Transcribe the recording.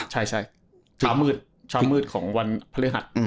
ใช่ช้ามืดของวันพฤหัส